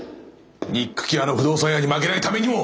にっくきあの不動産屋に負けないためにも。